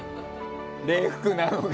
礼服なのか。